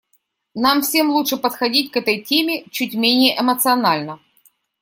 Нам всем лучше подходить к этой теме чуть менее эмоционально.